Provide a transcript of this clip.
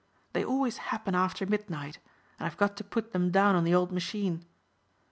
They always happen after midnight and I've got to put them down on the old machine.